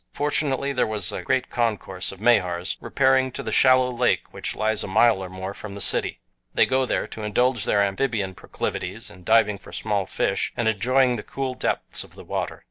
Fortunately, there was a great concourse of Mahars repairing to the shallow lake which lies a mile or more from the city. They go there to indulge their amphibian proclivities in diving for small fish, and enjoying the cool depths of the water.